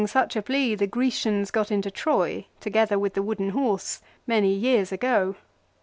a plea the Grecians got into Troy, together with the wooden horse, many years ago.